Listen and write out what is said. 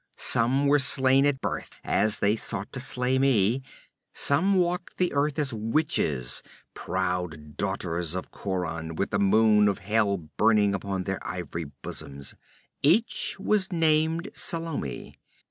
Some were slain at birth, as they sought to slay me. Some walked the earth as witches, proud daughters of Khauran, with the moon of hell burning upon their ivory bosoms. Each was named Salome.